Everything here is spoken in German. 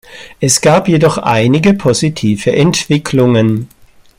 Es gab jedoch einige positive Entwicklungen.